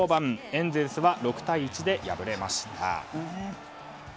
エンゼルスは６対１で敗れました。